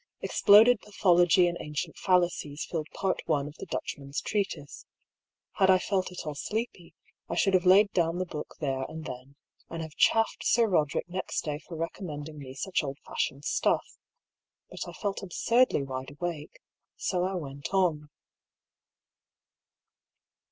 Exploded pathology and ancient fallacies filled Part I. of the Dutchman's treatise. Had I felt at all sleepy, I should have laid down the book there and then, and have chaffed Sir Eoderick next day for recom mending me such old fashioned stuff. But I felt ab surdly wideawake. So I went on.